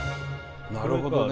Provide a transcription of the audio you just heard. なるほどね。